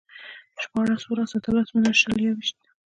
شپاړس، اووهلس، اتهلس، نولس، شل، يوويشت